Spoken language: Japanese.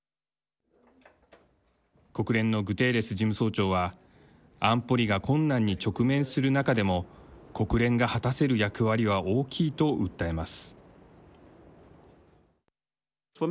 国連のグテーレス事務総長は安保理が困難に直面する中でも国連が果たせる役割は大きいと訴えます。